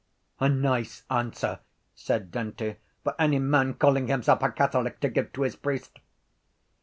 _ —A nice answer, said Dante, for any man calling himself a catholic to give to his priest.